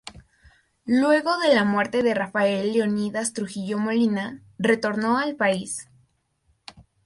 Luego de la muerte de Rafael Leónidas Trujillo Molina, retornó al país.